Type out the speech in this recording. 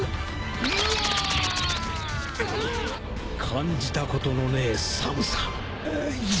感じたことのねえ寒さ